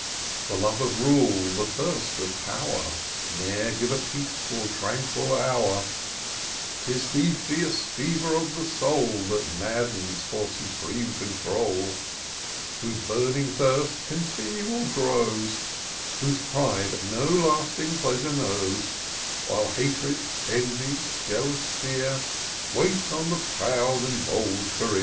The love of rule, the thirst of pow'r. Ne'er give a peaceful, tranquil hour ; 'Tis the fierce fever of the soul That maddens for supreme control ; Whose burning thirst continual grows ; Whose pride no lasting pleasure knows ; While Hatred, Envy, jealous Fear, Wait on the proud and bold career.